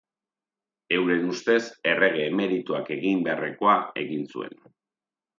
Euren ustez errege emerituak egin beharrekoa egin zuen.